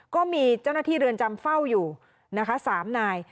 ก็มีเจ้าหน้าที่เรือนจำเฝ้าอยู่นะคะ๓นาย